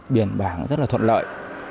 biển bảng rất là thuận lợi